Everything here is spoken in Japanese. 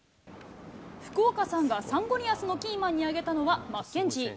福岡さんがサンゴリアスのキーマンに挙げたのはマッケンジー。